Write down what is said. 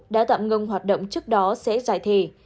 đã tạm ngưng hoạt động trước đó sẽ giải thể